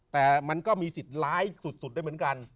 แต่มันก็มีสิทธิ์ร้ายสุดได้เหมือนกัน